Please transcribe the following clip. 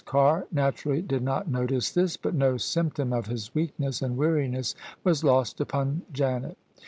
Carr naturally did not notice this; but no symptom of his weakness and weariness was lost upon Janet.